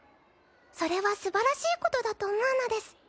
それはすばらしいことだと思うのです。